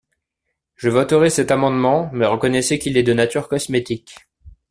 Je voterai cet amendement, mais reconnaissez qu’il est de nature cosmétique.